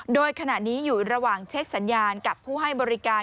โดยขณะนี้อยู่ระหว่างเช็คสัญญาณกับผู้ให้บริการ